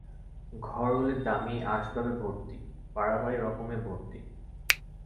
ঘরগুলি দামি আসবাবে ভরতি, বাড়াবাড়ি রকমে ভরতি।